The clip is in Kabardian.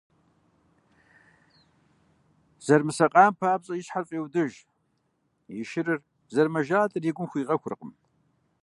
Зэрымысакъам папщӀэ и щхьэр фӀеудыж, и шырыр зэрымэжалӀэр и гум хуигъэхуркъым.